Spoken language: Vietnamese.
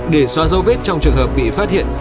để xóa dấu vết trong trường hợp bị phát hiện